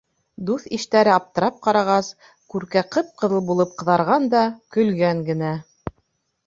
Дуҫ-иштәре аптырап ҡарағас, Күркә ҡып-ҡыҙыл булып ҡыҙарған да, көлгән генә.